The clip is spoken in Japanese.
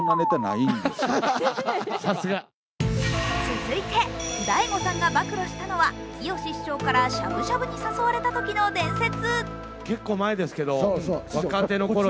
続いて、大悟さんが暴露したのはきよし師匠からしゃぶしゃぶに誘われたときの伝説。